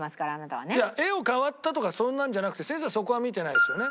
絵を変わったとかそんなんじゃなくて先生はそこは見てないですよね。